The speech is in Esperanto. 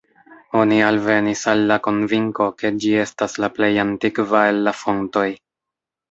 Oni alvenis al la konvinko ke ĝi estas la plej antikva el la fontoj.